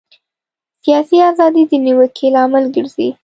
سیاسي ازادي د نیوکې لامل ګرځي.